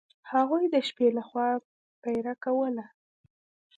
هغوی د شپې له خوا پیره کوله.